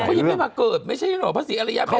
เขายังไม่มาเกิดไม่ใช่หน่อยว่าพระศรีอารยะแม่ไตร